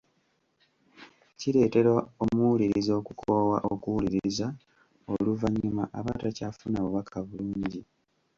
Kireetera omuwuliriza okukoowa okuwuliriza oluvannyuma aba takyafuna bubaka bulungi.